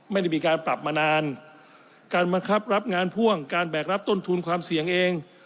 ไม่ได้มีการปรับมานานการบังคับรับงานพ่วงการแบกรับต้นทุนความเสี่ยงเอง